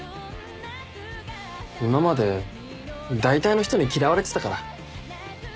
今までだいたいの人に嫌われてたから。